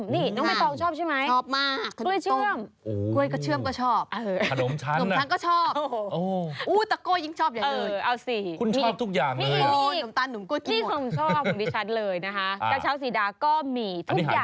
นี่คุณชอบคุณดิฉันเลยนะคะกาเช้าสีดาก็มีทุกอย่าง